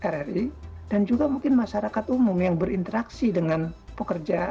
rri dan juga mungkin masyarakat umum yang berinteraksi dengan pekerja